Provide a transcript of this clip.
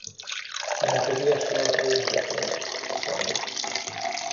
De hát az ilyesmi elkerülhetetlen, sajnos.